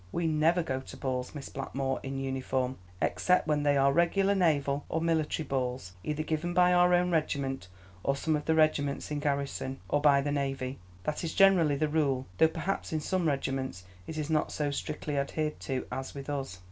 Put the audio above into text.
"We never go to balls, Miss Blackmoor, in uniform, except when they are regular naval or military balls, either given by our own regiment or some of the regiments in garrison, or by the navy. That is generally the rule though perhaps in some regiments it is not so strictly adhered to as with us."